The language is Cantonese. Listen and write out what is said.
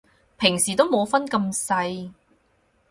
平時都冇分咁細